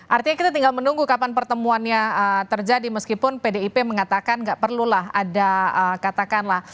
artinya kita tinggal menunggu kapan pertemuannya terjadi meskipun pdip mengatakan tidak perlu lah ada katakan lah